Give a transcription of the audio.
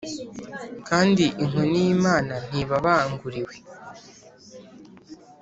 kandi inkoni y’imana ntibabanguriwe